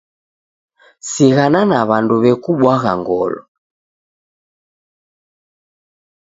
Sighana na w'andu w'ekubwagha ngolo.